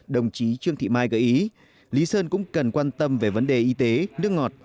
đồng chí trương thị mai gợi ý lý sơn cũng cần quan tâm về vấn đề y tế nước ngọt